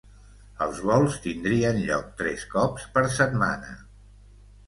Els vols tindrien lloc tres cops per setmana.